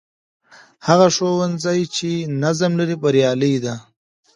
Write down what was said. هغه ښوونځی چې نظم لري، بریالی دی.